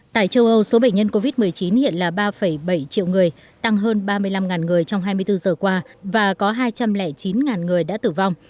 tại châu âu số bệnh nhân covid một mươi chín hiện là ba bảy triệu người tăng hơn ba mươi năm người trong hai mươi bốn giờ qua và có hai trăm linh chín người đã tử vong